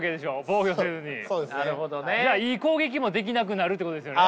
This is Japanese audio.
じゃあいい攻撃もできなくなるってことですよね？